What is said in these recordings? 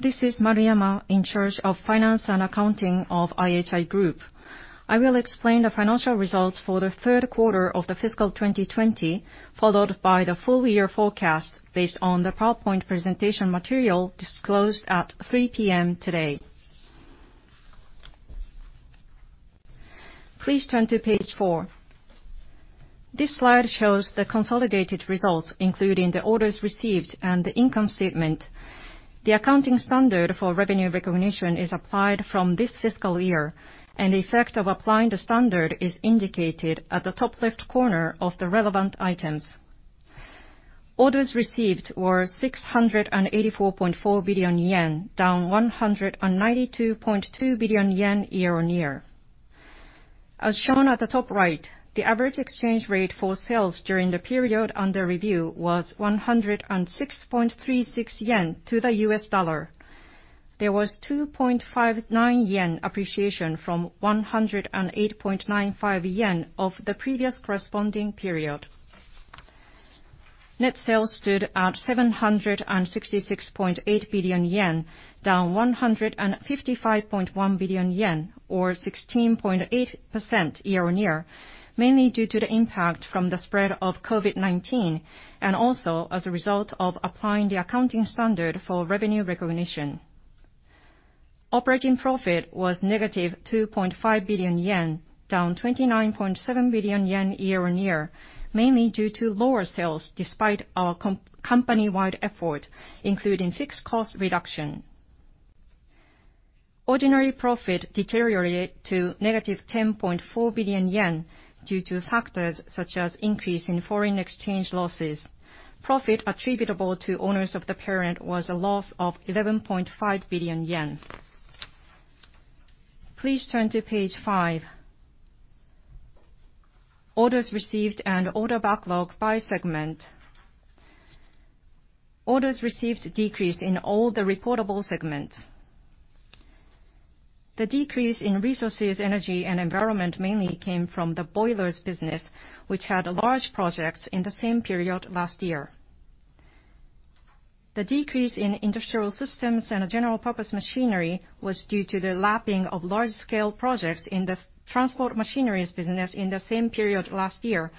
This is Maruyama, in charge of finance and accounting of IHI Group. I will explain the financial results for the third quarter of the fiscal 2020, followed by the full year forecast, based on the powerpoint presentation material disclosed at 3:00 P.M. today. Please turn to page four. This slide shows the consolidated results, including the orders received and the income statement. The accounting standard for revenue recognition is applied from this fiscal year, and the effect of applying the standard is indicated at the top left corner of the relevant items. Orders received were 684.4 billion yen, down 192.2 billion yen year-on-year. As shown at the top right, the average exchange rate for sales during the period under review was 106.36 yen to the US dollar. There was 2.59 yen appreciation from 108.95 yen of the previous corresponding period. Net sales stood at 766.8 billion yen, down 155.1 billion yen, or 16.8% year-on-year, mainly due to the impact from the spread of COVID-19 and also as a result of applying the accounting standard for revenue recognition. Operating profit was negative 2.5 billion yen, down 29.7 billion yen year-on-year, mainly due to lower sales despite our company-wide effort, including fixed cost reduction. Ordinary profit deteriorated to negative 10.4 billion yen due to factors such as increase in foreign exchange losses. Profit attributable to owners of the parent was a loss of 11.5 billion yen. Please turn to page five. Orders received and order backlog by segment. Orders received decreased in all the reportable segments. The decrease in Resources, Energy and Environment mainly came from the boilers business, which had large projects in the same period last year. The decrease in Industrial Systems and General-Purpose Machinery was due to the lapping of large scale projects in the transport machineries business in the same period last year,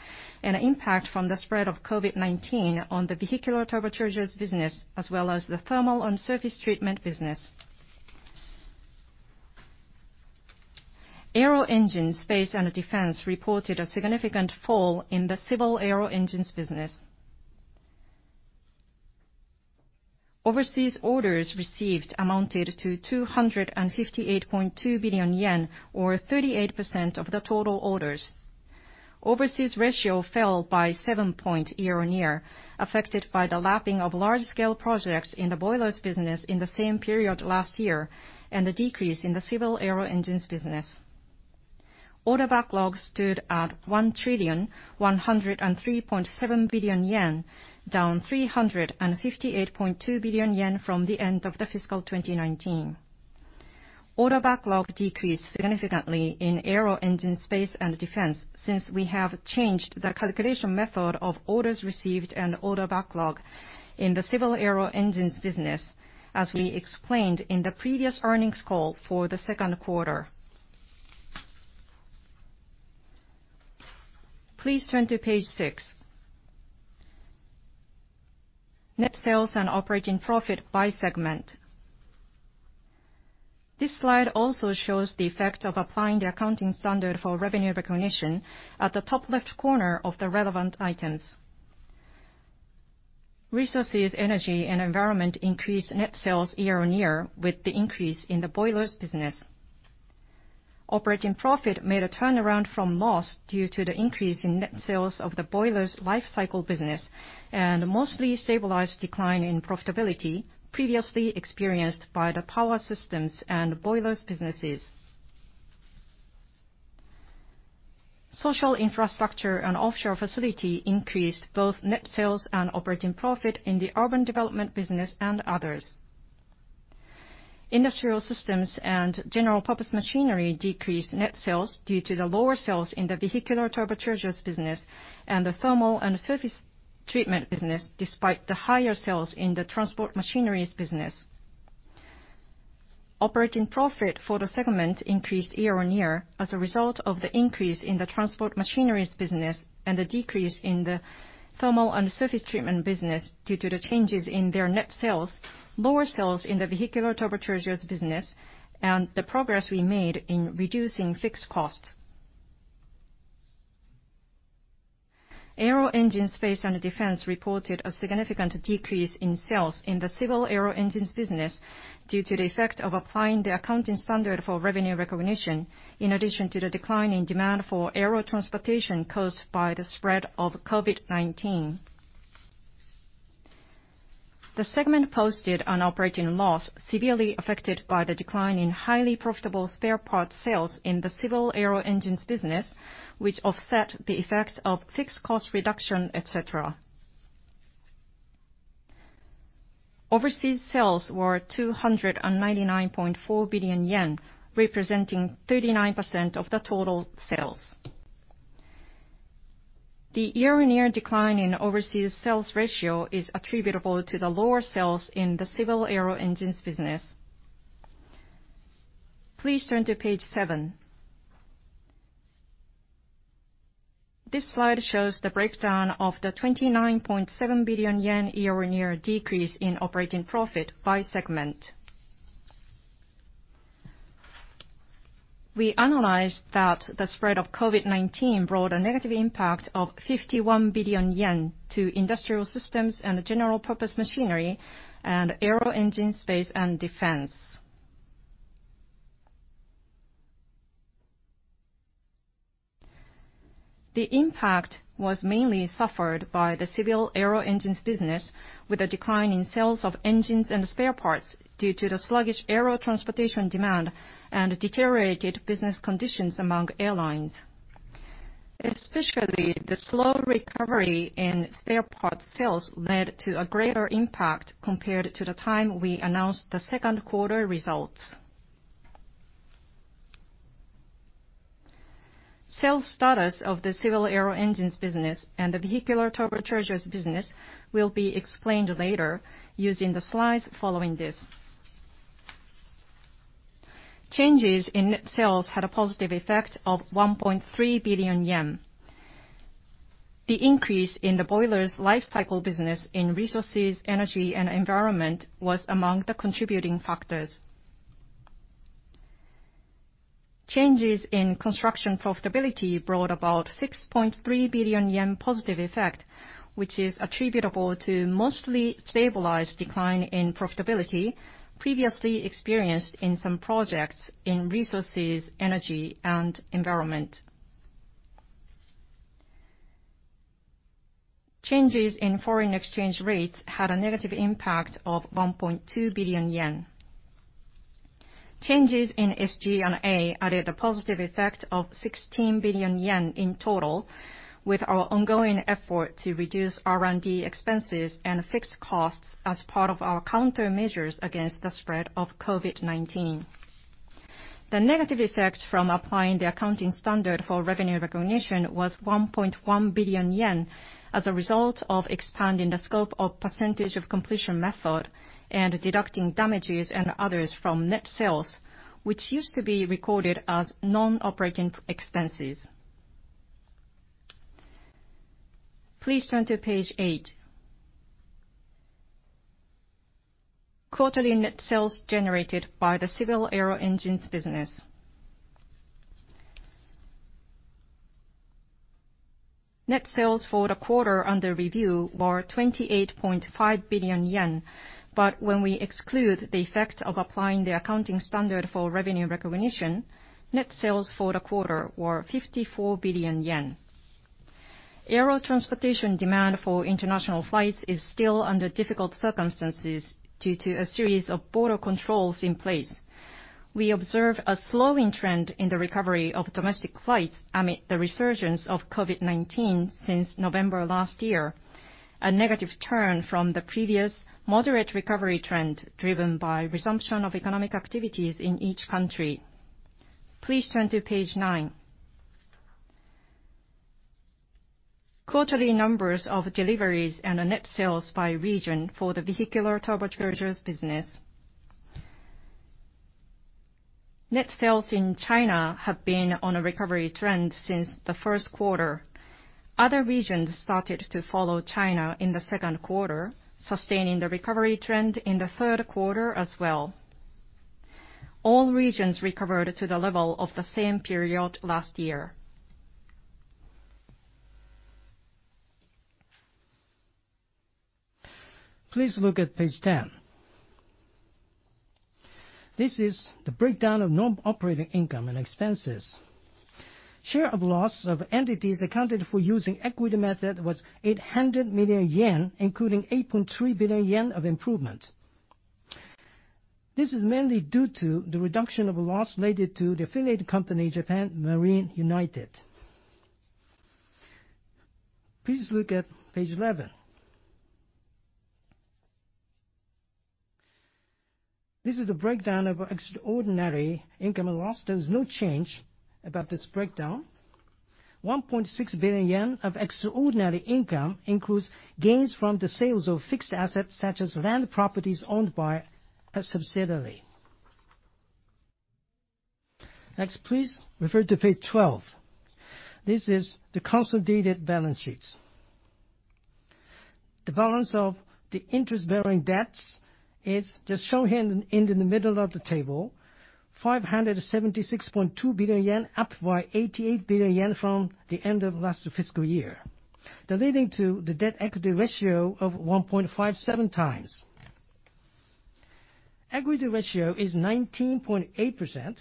and the impact from the spread of COVID-19 on the vehicular turbochargers business, as well as the heat and surface treatment business. Aero Engine, Space and Defense reported a significant fall in the civil aero engines business. Overseas orders received amounted to 258.2 billion yen, or 38% of the total orders. Overseas ratio fell by seven point year-on-year, affected by the lapping of large scale projects in the boilers business in the same period last year, and the decrease in the civil aero engines business. Order backlog stood at 1,103.7 billion yen, down 358.2 billion yen from the end of the fiscal 2019. Order backlog decreased significantly in Aero Engine, Space and Defense since we have changed the calculation method of orders received and order backlog in the civil aero engines business, as we explained in the previous earnings call for the second quarter. Please turn to page six. Net sales and operating profit by segment. This slide also shows the effect of applying the accounting standard for revenue recognition at the top left corner of the relevant items. Resources, Energy and Environment increased net sales year-on-year with the increase in the boilers business. Operating profit made a turnaround from loss due to the increase in net sales of the boilers life cycle business, and mostly stabilized decline in profitability previously experienced by the power systems and boilers businesses. Social Infrastructure and Offshore Facilities increased both net sales and operating profit in the urban development business and others. Industrial Systems and General-Purpose Machinery decreased net sales due to the lower sales in the vehicular turbochargers business and the heat and surface treatment business, despite the higher sales in the transport machineries business. Operating profit for the segment increased year-on-year as a result of the increase in the transport machineries business and the decrease in the heat and surface treatment business due to the changes in their net sales, lower sales in the vehicular turbochargers business, and the progress we made in reducing fixed costs. Aero Engine, Space and Defense reported a significant decrease in sales in the civil aero engines business due to the effect of applying the revenue recognition standard, in addition to the decline in demand for aero transportation caused by the spread of COVID-19. The segment posted an operating loss severely affected by the decline in highly profitable spare parts sales in the civil aero engines business, which offset the effect of fixed cost reduction, et cetera. Overseas sales were 299.4 billion yen, representing 39% of the total sales. The year-on-year decline in overseas sales ratio is attributable to the lower sales in the civil aero engines business. Please turn to page seven. This slide shows the breakdown of the 29.7 billion yen year-on-year decrease in operating profit by segment. We analyzed that the spread of COVID-19 brought a negative impact of 51 billion yen to Industrial Systems and General-Purpose Machinery and Aero Engine, Space and Defense. The impact was mainly suffered by the civil aero engines business, with a decline in sales of engines and spare parts due to the sluggish aero transportation demand and deteriorated business conditions among airlines. Especially, the slow recovery in spare parts sales led to a greater impact compared to the time we announced the second quarter results. Sales status of the civil aero engines business and the vehicular turbochargers business will be explained later using the slides following this. Changes in net sales had a positive effect of 1.3 billion yen. The increase in the boilers life cycle business in Resources, Energy and Environment was among the contributing factors. Changes in construction profitability brought about 6.3 billion yen positive effect, which is attributable to mostly stabilized decline in profitability previously experienced in some projects in Resources, Energy and Environment. Changes in foreign exchange rates had a negative impact of 1.2 billion yen. Changes in SG&A added a positive effect of 16 billion yen in total, with our ongoing effort to reduce R&D expenses and fixed costs as part of our countermeasures against the spread of COVID-19. The negative effect from applying the accounting standard for revenue recognition was 1.1 billion yen, as a result of expanding the scope of percentage of completion method and deducting damages and others from net sales, which used to be recorded as non-operating expenses. Please turn to page eight. Quarterly net sales generated by the civil aero engines business. Net sales for the quarter under review were 28.5 billion yen, but when we exclude the effect of applying the accounting standard for revenue recognition, net sales for the quarter were 54 billion yen. Aero transportation demand for international flights is still under difficult circumstances due to a series of border controls in place. We observe a slowing trend in the recovery of domestic flights amid the resurgence of COVID-19 since November last year, a negative turn from the previous moderate recovery trend driven by resumption of economic activities in each country. Please turn to page nine. Quarterly numbers of deliveries and the net sales by region for the vehicular turbochargers business. Net sales in China have been on a recovery trend since the first quarter. Other regions started to follow China in the second quarter, sustaining the recovery trend in the third quarter as well. All regions recovered to the level of the same period last year. Please look at page 10. This is the breakdown of non-operating income and expenses. Share of loss of entities accounted for using equity method was 800 million yen, including 8.3 billion yen of improvement. This is mainly due to the reduction of loss related to the affiliate company, Japan Marine United. Please look at page 11. This is the breakdown of extraordinary income and loss. There is no change about this breakdown. 1.6 billion yen of extraordinary income includes gains from the sales of fixed assets such as land properties owned by a subsidiary. Please refer to page 12. This is the consolidated balance sheets. The balance of the interest-bearing debts is just shown here in the middle of the table, 576.2 billion yen, up by 88 billion yen from the end of last fiscal year, leading to the debt equity ratio of 1.57 times. Equity ratio is 19.8%,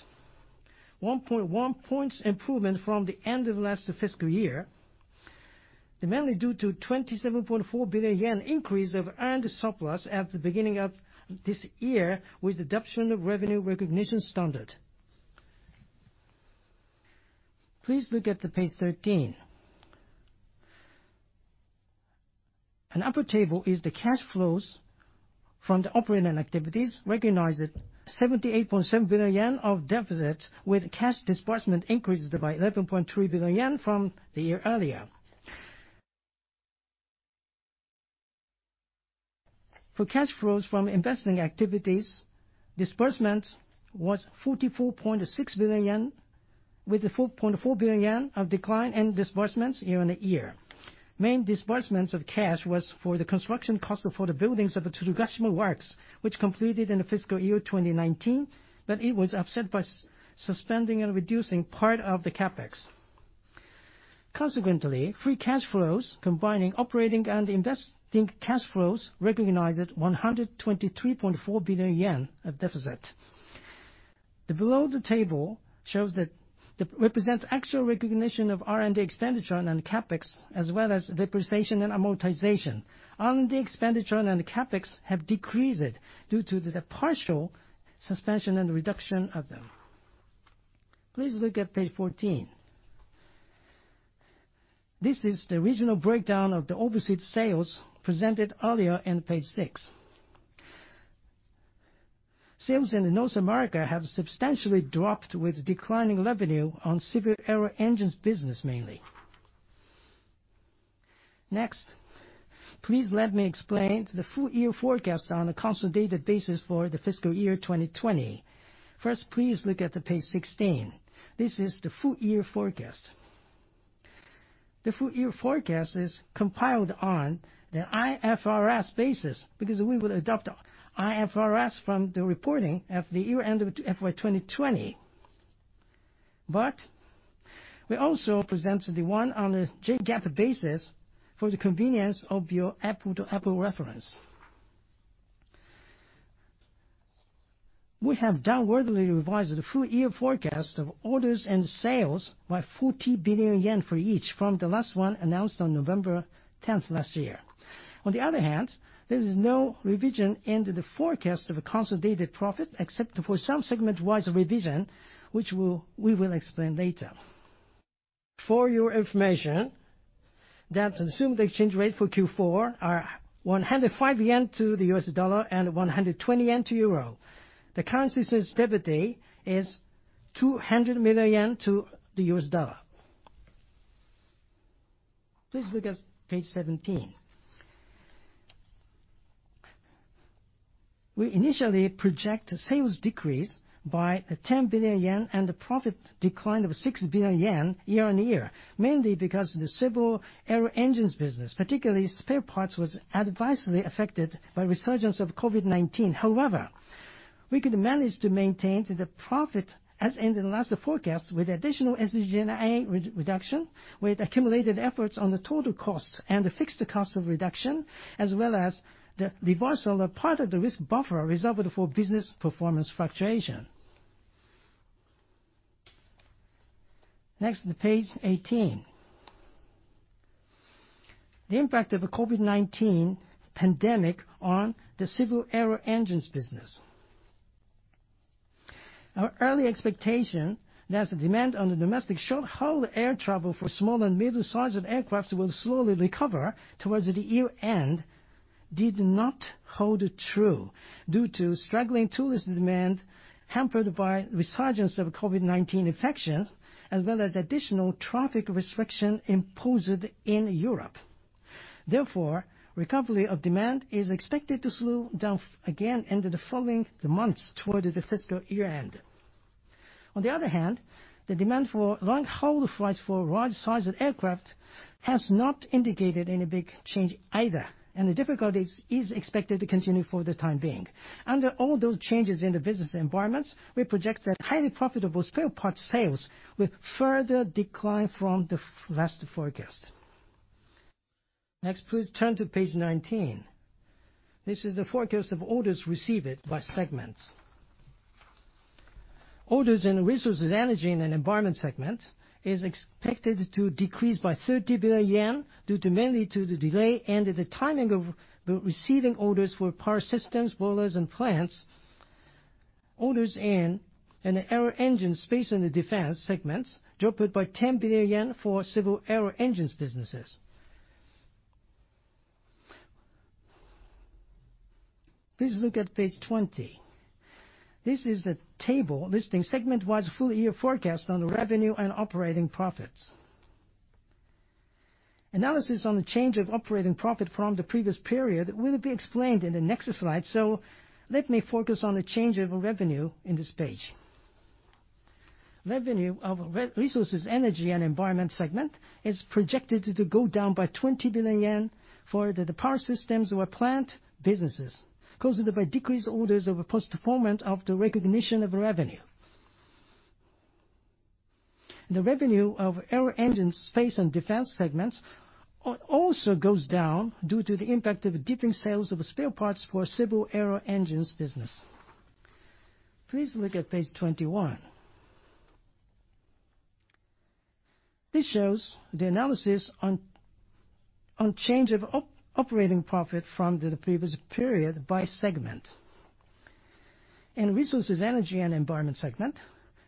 1.1 points improvement from the end of last fiscal year, mainly due to 27.4 billion yen increase of earned surplus at the beginning of this year with adoption of revenue recognition standard. Please look at the page 13. An upper table is the cash flows from the operating activities recognized 78.7 billion yen of deficits, with cash disbursement increases by 11.3 billion yen from the year earlier. For cash flows from investing activities, disbursement was 44.6 billion yen, with a 4.4 billion yen of decline in disbursements year-on-year. Main disbursements of cash was for the construction cost for the buildings of the Tsurugashima Works, which completed in the fiscal year 2019, but it was offset by suspending and reducing part of the CapEx. Consequently, free cash flows, combining operating and investing cash flows, recognized 123.4 billion yen of deficit. The below the table shows that the represent actual recognition of R&D expenditure and CapEx, as well as depreciation and amortization. R&D expenditure and CapEx have decreased due to the partial suspension and reduction of them. Please look at page 14. This is the regional breakdown of the overseas sales presented earlier in page six. Sales in North America have substantially dropped with declining revenue on civil aero engines business mainly. Please let me explain the full year forecast on a consolidated basis for the fiscal year 2020. Please look at the page 16. This is the full year forecast. The full year forecast is compiled on the IFRS basis because we will adopt IFRS from the reporting of the year end of FY 2020. We also present the one on a JGAAP basis for the convenience of your apple-to-apple reference. We have downwardly revised the full year forecast of orders and sales by 40 billion yen for each from the last one announced on November 10 last year. On the other hand, there is no revision in the forecast of a consolidated profit except for some segment-wise revision, which we will explain later. For your information, the assumed exchange rate for Q4 are 105 yen to the U.S. dollar and 120 yen to EUR. The currency sensitivity is 200 million yen to the U.S. dollar. Please look at page 17. We initially project a sales decrease by 10 billion yen and a profit decline of 6 billion yen year-on-year, mainly because the civil aero engines business, particularly spare parts, was adversely affected by resurgence of COVID-19. However, we could manage to maintain the profit as in the last forecast with additional SG&A reduction, with accumulated efforts on the total cost and the fixed cost reduction, as well as the reversal of part of the risk buffer reserved for business performance fluctuation. Next, the page 18. The impact of the COVID-19 pandemic on the civil aero engines business. Our early expectation that the demand on the domestic short-haul air travel for small and middle-size aircraft will slowly recover towards the year-end did not hold true due to struggling tourist demand hampered by resurgence of COVID-19 infections as well as additional traffic restriction imposed in Europe. Therefore, recovery of demand is expected to slow down again in the following months toward the fiscal year-end. On the other hand, the difficulties are expected to continue for the time being. Under all those changes in the business environments, we project that highly profitable spare parts sales will further decline from the last forecast. Next, please turn to page 19. This is the forecast of orders received by segments. Orders in Resources, Energy and Environment segment are expected to decrease by 30 billion yen due mainly to the delay and the timing of the receiving orders for power systems, boilers, and plants. Orders in the Aero Engine, Space and Defense segments dropped by 10 billion yen for civil aero engines businesses. Please look at page 20. This is a table listing segment-wise full year forecast on the revenue and operating profits. Analysis on the change of operating profit from the previous period will be explained in the next slide. Let me focus on the change of revenue in this page. Revenue of Resources, Energy and Environment segment is projected to go down by 20 billion yen for the power systems or plant businesses, caused by decreased orders of postponement of the recognition of revenue. The revenue of Aero Engine, Space and Defense segments also goes down due to the impact of dipping sales of spare parts for civil aero engines business. Please look at page 21. This shows the analysis on change of operating profit from the previous period by segment. In Resources, Energy and Environment segment,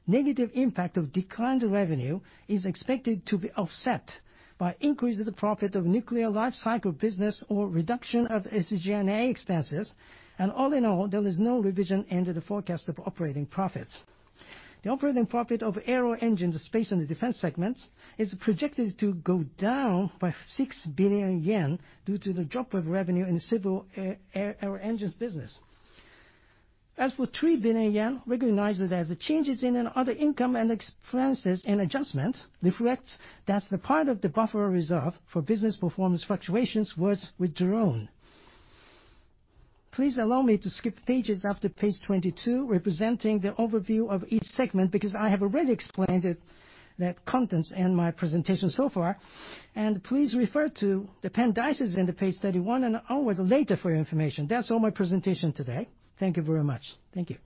negative impact of declined revenue is expected to be offset by increase of the profit of nuclear lifecycle business or reduction of SG&A expenses. All in all, there is no revision in the forecast of operating profits. The operating profit of Aero Engine, Space and Defense segments is projected to go down by 6 billion yen due to the drop of revenue in the civil aero engines business. As for 3 billion yen, recognized as the changes in and other income and expenses and adjustment reflects that the part of the buffer reserve for business performance fluctuations was withdrawn. Please allow me to skip pages after page 22, representing the overview of each segment, because I have already explained it, that contents in my presentation so far. Please refer to the appendices in the page 31 and onward later for your information. That's all my presentation today. Thank you very much. Thank you.